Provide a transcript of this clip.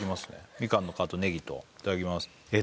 みかんの皮とねぎといただきまーすえっ